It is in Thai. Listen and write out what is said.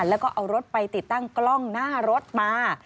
แล้วก็เอารถไปติดตั้งกล้องหน้ารถมา